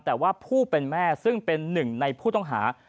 แต่ว่าผู้เป็นแม่ซึ่งเป็นหนึ่งในผู้ต้องหา